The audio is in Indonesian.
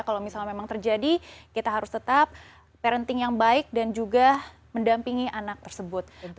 kalau misalnya memang terjadi kita harus tetap parenting yang baik dan juga mendampingi anak tersebut